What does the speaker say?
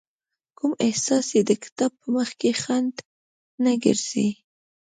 کوم احساس يې د کتاب په مخکې خنډ نه ګرځي.